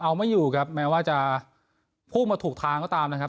เอาไม่อยู่ครับแม้ว่าจะพูดมาถูกทางก็ตามนะครับ